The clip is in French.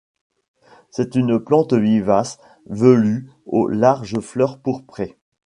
C'est une plante vivace, velue, aux larges fleurs pourprées.